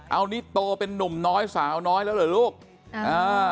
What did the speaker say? เอานี่โตเป็นนุ่มน้อยสาวน้อยแล้วเหรอลูกอ่า